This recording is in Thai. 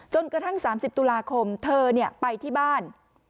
กระทั่ง๓๐ตุลาคมเธอไปที่บ้าน